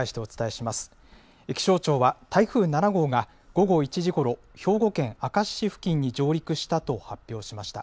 気象庁は、台風７号が午後１時ごろ、兵庫県明石市付近に上陸したと発表しました。